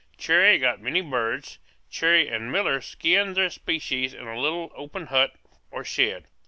Cherrie got many birds. Cherrie and Miller skinned their specimens in a little open hut or shed.